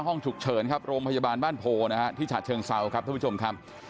ห้องฉุกเฉินครับโรงพยาบาลบ้านโพนะฮะที่ฉะเชิงเซาครับท่านผู้ชมครับ